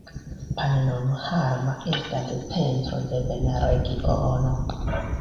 Pannonhalma estas centro de vinregiono.